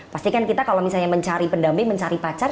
pastikan kita kalau misalnya mencari pendamping mencari pacar